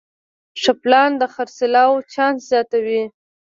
ښه پلان د خرڅلاو چانس زیاتوي.